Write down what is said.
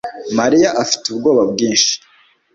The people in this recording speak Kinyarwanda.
Mariya afite ubwoba bwinshi